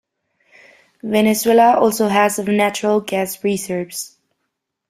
Venezuela also has of natural gas reserves.